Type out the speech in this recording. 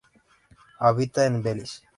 Habita en Belice.